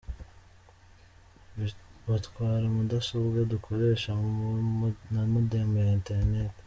Batwara Mudasobwa dukoresha na Modem ya Internet.